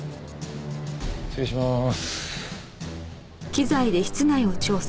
失礼します。